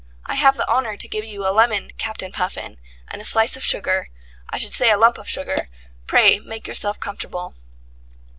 I have the honour to give you a lemon, Captain Puffin, and a slice of sugar. I should say a lump of sugar. Pray make yourself comfortable."